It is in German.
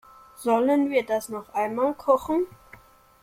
Sollen wir das noch einmal kochen?